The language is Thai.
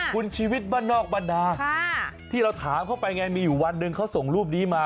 คุณชีวิตบ้านนอกบรรดาที่เราถามเข้าไปไงมีอยู่วันหนึ่งเขาส่งรูปนี้มา